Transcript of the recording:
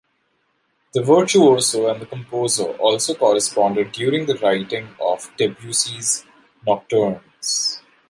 The virtuoso and the composer also corresponded during the writing of Debussy's "Nocturnes".